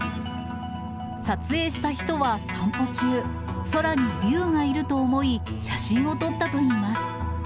撮影した人は散歩中、空に竜がいると思い、写真を撮ったといいます。